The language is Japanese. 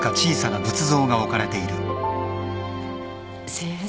先生。